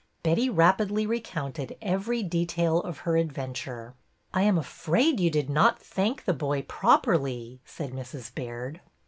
Betty rapidly recounted every detail of her adventure. I am afraid you did not thank the boy prop erly," said Mrs. Baird.